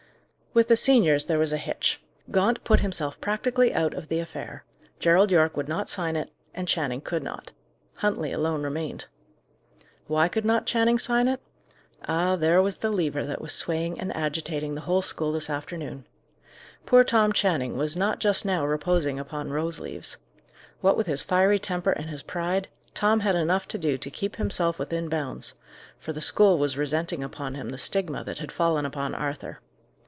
With the seniors there was a hitch. Gaunt put himself practically out of the affair; Gerald Yorke would not sign it; and Channing could not. Huntley alone remained. Why could not Channing sign it? Ah, there was the lever that was swaying and agitating the whole school this afternoon. Poor Tom Channing was not just now reposing upon rose leaves. What with his fiery temper and his pride, Tom had enough to do to keep himself within bounds; for the school was resenting upon him the stigma that had fallen upon Arthur.